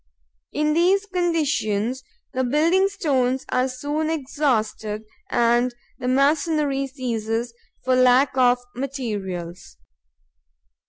In these conditions, the building stones are soon exhausted and the masonry ceases for lack of materials.